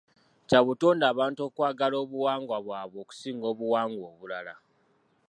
Kya butonde abantu okwagala obuwangwa bwabwe okusinga obuwangwa obulala.